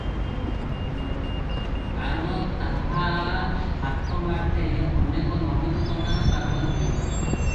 କାରଣ ତାହା ହାତ ବାଟେ ଅନେକ ନଗଦ ଟଙ୍କାର କାରବାର ହୁଏ ।